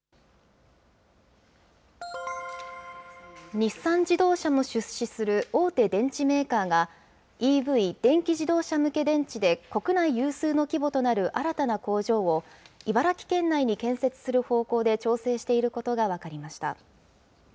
日産自動車も出資する大手電池メーカーが、ＥＶ・電気自動車向け電池で国内有数の規模となる新たな工場を、茨城県内に建設する方向で調整していることが分かりました。